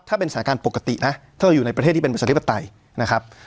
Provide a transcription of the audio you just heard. ถ้าเป็นสถานการณ์ปกตินะถ้าเราอยู่ในประเทศที่เป็นประชาธิปไตยนะครับ